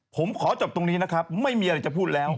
ผมขอจบตรงนี้นะครับไม่มีอะไรจะพูดแล้ว